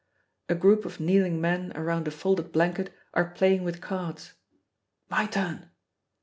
A group of kneeling men around a folded blanket are playing with cards "My turn!"